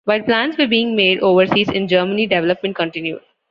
While plans were being made overseas, in Germany development continued.